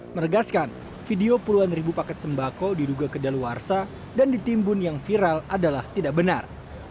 meregaskan video puluhan ribu paket sembako diduga kedaluarsa dan ditimbun yang viral adalah tidak benar